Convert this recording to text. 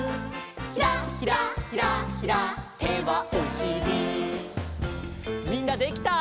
「ひらひらひらひら手はおしり」みんなできた？